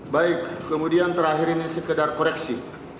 baik kemudian terakhir ini sekedar koreksi